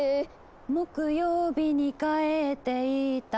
「木曜日に帰っていった」